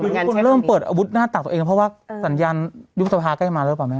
ทุกคนเริ่มเปิดอาวุธหน้าตักตัวเองเพราะว่าสัญญาณยุบสภาใกล้จะมาหรือเปล่าแม่